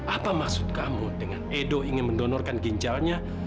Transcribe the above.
apa maksud kamu dengan edo ingin mendonorkan ginjalnya